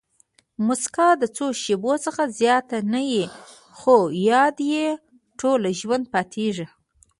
مسکا د څو شېبو څخه زیاته نه يي؛ خو یاد ئې ټوله ژوند پاتېږي.